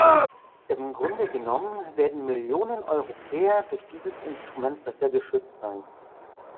Im Grunde genommen werden Millionen Europäer durch dieses Instrument besser geschützt sein.